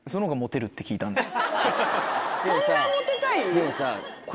でもさ。